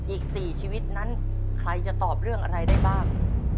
อีก๔ชีวิตนั้นใครจะตอบเรื่องอะไรได้บ้าง